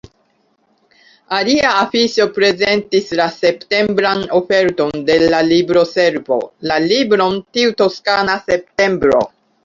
Alia afiŝo prezentis la septembran oferton de la Libroservo, la libron Tiu toskana septembro.